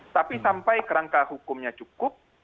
tapi sampai kerangka hukumnya cukup